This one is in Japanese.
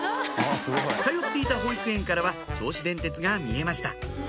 通っていた保育園からは銚子電鉄が見えました